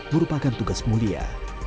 merupakan tugas mulia